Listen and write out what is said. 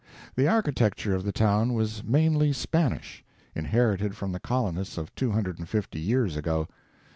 The architecture of the town was mainly Spanish, inherited from the colonists of two hundred and fifty years ago.